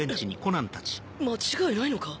間違いないのか？